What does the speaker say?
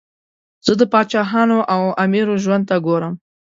زه د پاچاهانو او امیرو ژوند ته ګورم.